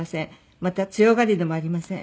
「また強がりでもありません。